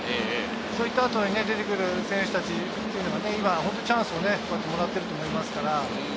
そういった後に出てくる選手たち、今チャンスをもらっていると思いますから。